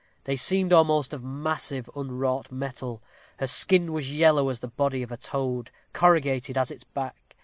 They seemed almost of massive unwrought metal. Her skin was yellow as the body of a toad; corrugated as its back.